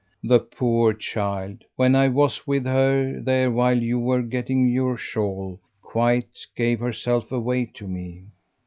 "The poor child, when I was with her there while you were getting your shawl, quite gave herself away to me."